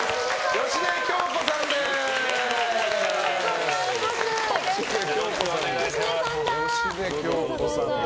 芳根京子さんだ！